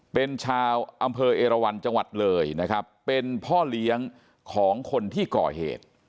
เป็นชาวอำเภอเอราวันจังหวัดเลยนะครับเป็นพ่อเลี้ยงของคนที่ก่อเหตุ